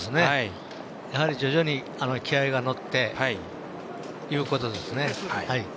やはり、徐々に気合いが乗ってということですね。